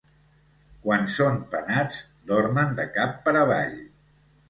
Quan són penats, dormen de cap per avall.